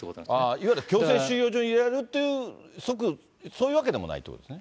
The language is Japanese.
いわゆる強制収容所に入れられるという、即、そういうわけでもないということですね。